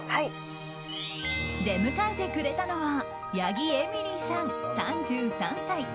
出迎えてくれたのは八木エミリーさん、３３歳。